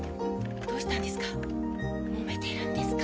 どうしたんですか？